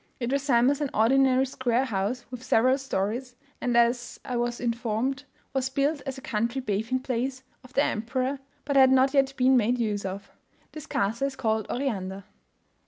It resembles an ordinary square house with several stories; and, as I was informed, was built as a country bathing place of the emperor, but had not yet been made use of. This castle is called Oriander.